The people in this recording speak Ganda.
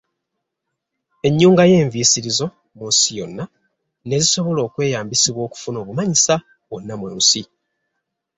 Ennyunga y’enviisirizo mu nsi yonna ne zisobola okweyambisibwa okufuna obumanyisa wonna mu nsi.